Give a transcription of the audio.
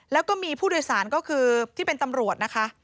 แล้วก็มีผู้โดยสารก็คือที่เป็นตำรวจนะคะ